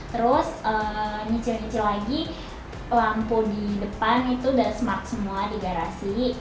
terus nyicil nyicil lagi lampu di depan itu udah smart semua di garasi